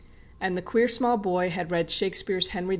And the queer small boy had read Shakespeare's "Henry IV.